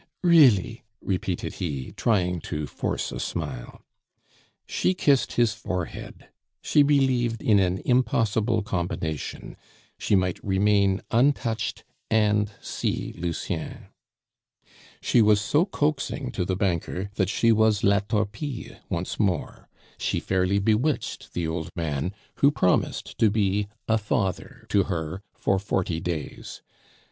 "Really!" repeated he, trying to force a smile. She kissed his forehead; she believed in an impossible combination she might remain untouched and see Lucien. She was so coaxing to the banker that she was La Torpille once more. She fairly bewitched the old man, who promised to be a father to her for forty days.